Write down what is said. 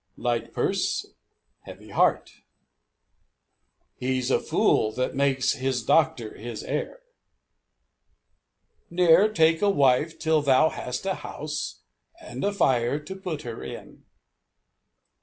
Light purse, heavy heart. He's a fool that makes his doctor his heir. Ne'er take a wife till thou hast a house (and a fire) to put her in.